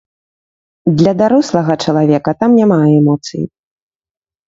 Для дарослага чалавека там няма эмоцый.